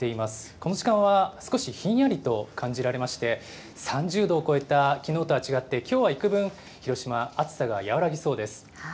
この時間は少しひんやりと感じられまして、３０度を超えたきのうとは違って、きょうはいくぶん広島は暑さがやわらぎそうです。